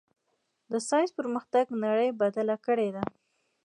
د ساینس پرمختګ نړۍ بدله کړې ده.